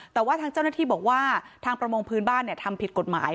แต่ว่าทางเจ้าหน้าที่บอกว่าทางประมงพื้นบ้านทำผิดกฎหมาย